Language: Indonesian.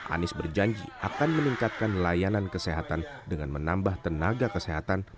anies berjanji akan meningkatkan layanan kesehatan dengan menambah tenaga kesehatan